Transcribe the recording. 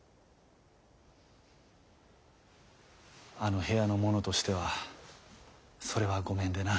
あの部屋の者としてはそれはごめんでな。